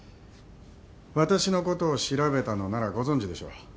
私のことを調べたのならご存じでしょう。